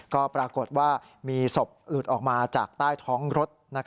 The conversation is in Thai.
ก็ปรากฏว่ามีศพหลุดออกมาจากใต้ท้องรถ